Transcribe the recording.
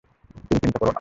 তুমি চিন্তা করো না।